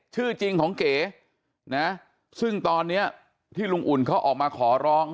ชื่อจริงของเก๋นะซึ่งตอนนี้ที่ลุงอุ่นเขาออกมาขอร้อง